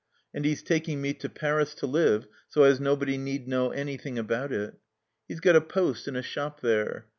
And he's taking me to Paris to live so as nobody need know anything about it. He's got a post in a shop there.